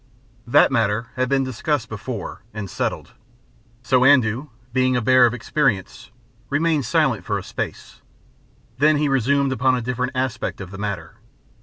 That matter had been discussed before, and settled. So Andoo, being a bear of experience, remained silent for a space. Then he resumed upon a different aspect of the matter.